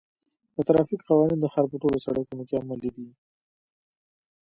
د ترافیک قوانین د ښار په ټولو سړکونو کې عملي دي.